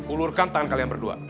ulurkan tangan kalian berdua